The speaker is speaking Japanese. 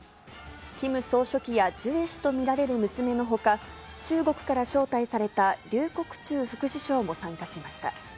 キム総書記や、ジュエ氏と見られる娘のほか、中国から招待された劉国中副首相も参加しました。